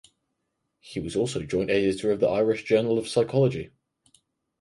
He was also joint editor of the "Irish Journal of Psychology".